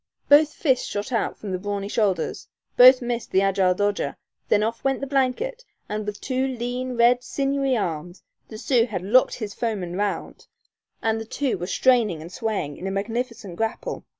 Both fists shot out from the brawny shoulders; both missed the agile dodger; then off went the blanket, and with two lean, red, sinewy arms the Sioux had "locked his foeman round," and the two were straining and swaying in a magnificent grapple.